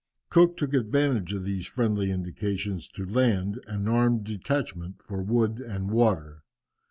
Cook took advantage of these friendly indications to land an armed detachment for wood and water.